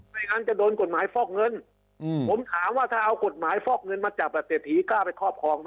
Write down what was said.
งั้นจะโดนกฎหมายฟอกเงินผมถามว่าถ้าเอากฎหมายฟอกเงินมาจับแบบเศรษฐีกล้าไปครอบครอง